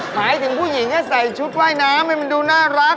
หมายถึงผู้หญิงใส่ชุดว่ายน้ำให้มันดูน่ารัก